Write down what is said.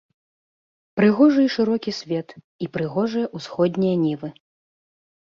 Прыгожы і шырокі свет, і прыгожыя ўсходнія нівы.